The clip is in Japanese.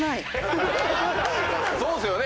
そうですよね。